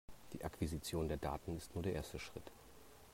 Die Akquisition der Daten ist nur der erste Schritt.